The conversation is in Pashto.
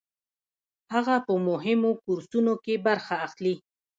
هغه په مهمو کورسونو کې برخه اخلي.